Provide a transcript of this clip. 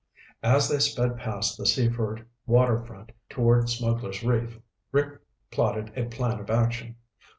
As they sped past the Seaford water front toward Smugglers' Reef, Rick plotted a plan of action.